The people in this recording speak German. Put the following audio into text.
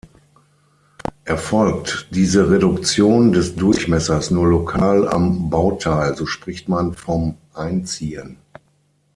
Erfolgt diese Reduktion des Durchmessers nur lokal am Bauteil, so spricht man vom "Einziehen".